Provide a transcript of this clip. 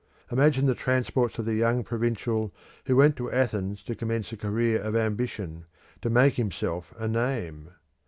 Imagine the transports of the young provincial who went to Athens to commence a career of ambition, to make himself a name!